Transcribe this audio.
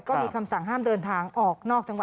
ก็มีคำสั่งห้ามเดินทางออกนอกจังหวัด